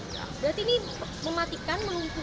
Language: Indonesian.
berarti ini mematikan